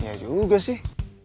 ya juga sih